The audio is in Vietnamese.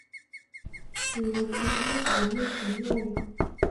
thì hồn bị nhốt bốn mươi chín ngày